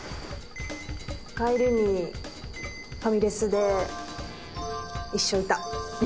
帰りにファミレスで一生いた。